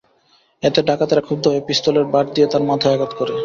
এতে ডাকাতেরা ক্ষুব্ধ হয়ে পিস্তলের বাঁট দিয়ে তাঁর মাথায় আঘাত করে।